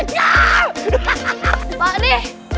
terus pak de